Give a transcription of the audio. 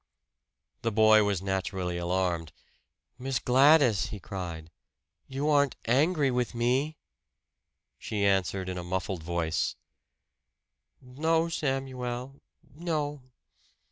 The boy was naturally alarmed. "Miss Gladys!" he cried. "You aren't angry with me?" She answered, in a muffled voice, "No, Samuel no!"